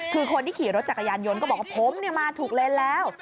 คือคนที่ขี่รถจักรยานยนต์ก็บอกว่าผมมาถูกเลนแล้ว